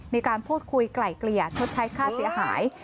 มีการพูดคุยไกล่เกลี่ยชดใช้ค่าเสียหาย